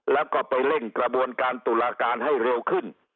แล้วก็ไปเร่งกระบวนการตุลาการให้เร็วขึ้น